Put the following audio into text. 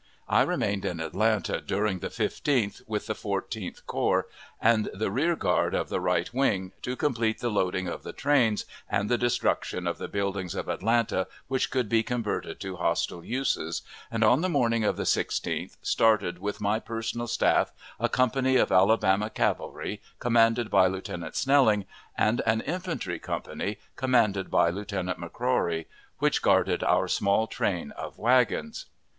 I remained in Atlanta during the 15th with the Fourteenth Corps, and the rear guard of the right wing, to complete the loading of the trains, and the destruction of the buildings of Atlanta which could be converted to hostile uses, and on the morning of the 16th started with my personal staff, a company of Alabama cavalry, commanded by Lieutenant Snelling, and an infantry company, commanded by Lieutenant McCrory, which guarded our small train of wagons.